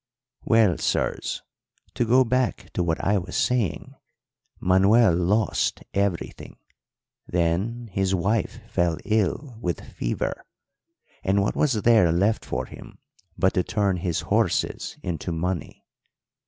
"Well, sirs, to go back to what I was saying, Manuel lost everything; then his wife fell ill with fever; and what was there left for him but to turn his horses into money?